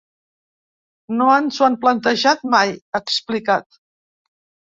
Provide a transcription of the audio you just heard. No ens ho hem plantejat mai, ha explicat.